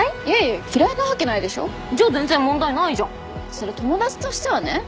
そりゃ友達としてはね。